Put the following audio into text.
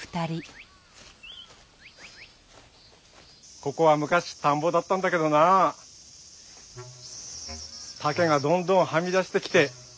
ここはむかし田んぼだったんだけどな竹がどんどんはみ出してきて。